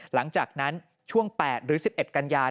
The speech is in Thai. หลังจากนั้นช่วง๘หรือ๑๑กันยา